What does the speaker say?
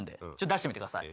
出してみてください。